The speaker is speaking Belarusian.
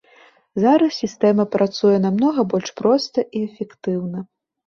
Зараз сістэма працуе намнога больш проста і эфектыўна.